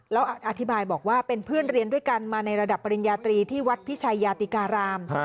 แล้วอธิบายบอกว่าเป็นเพื่อนเรียนด้วยกันมาในระดับปริญญาตรีที่วัดพิชัยยาติการาม